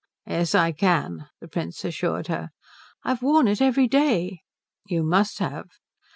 "Yes I can," the Prince assured her. "I've worn it every day." "You must have."